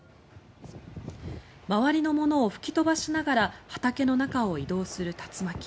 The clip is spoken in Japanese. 周りのものを吹き飛ばしながら畑の中を移動する竜巻。